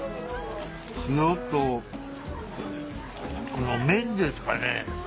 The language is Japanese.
塩とこの麺ですかね。